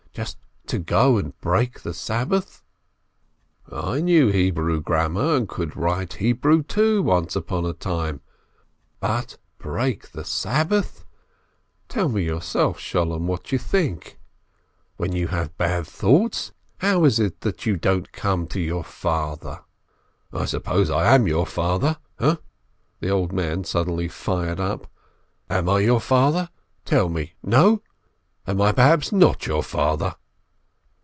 Just to go and break the Sabbath ! I knew Hebrew grammar, and could write Hebrew, too, once upon a time, but break the Sabbath ! Tell me yourself, Sholem, what you think ! When you have bad thoughts, how is it you don't come to your father? I suppose I am your father, ha?" the old man suddenly fired up. "Am I your father ? Tell me — no ? Am I perhaps not your father